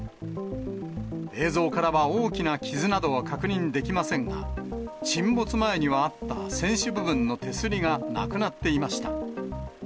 映像からは大きな傷などは確認できませんが、沈没前にはあった船首部分の手すりがなくなっていました。